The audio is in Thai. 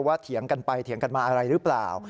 เถียงกันไปเถียงกันมาอะไรหรือเปล่า